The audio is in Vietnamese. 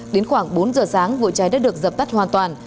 đến khoảng bốn giờ sáng vụ cháy đã được dập tắt hoàn toàn